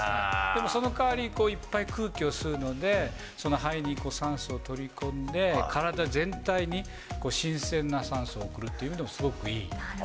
でもその代わり、いっぱい空気を吸うので、その肺に酸素を取り込んで、体全体に新鮮な酸素を送るっていなるほど。